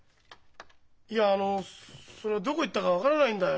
いやあのどこ行ったか分からないんだよ。